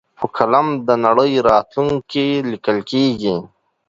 په قلم د نړۍ راتلونکی لیکل کېږي.